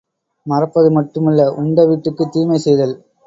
மறப்பது மட்டுமல்ல உண்ட வீட்டுக்குத் தீமை செய்தல்!